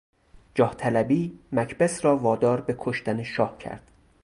جاهطلبی مکبث را وادار به کشتن شاه کرد.